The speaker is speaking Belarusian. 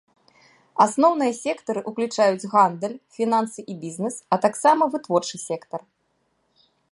Асноўныя сектары ўключаюць гандаль, фінансы і бізнес, а таксама вытворчы сектар.